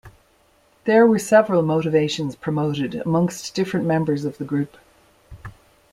There were several motivations promoted amongst different members of the group.